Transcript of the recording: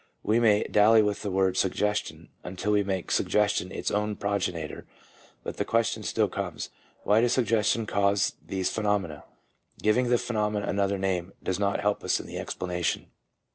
We may dally with the word "suggestion" until we make suggestion its own progenitor, but the question still comes — Why does suggestion cause these pheno mena ? Giving the phenomena another name does not help us in the explanation.